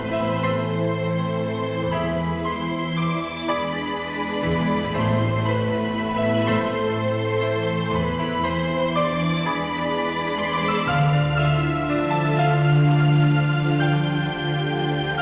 aku melodies dengan peluk dan men youtube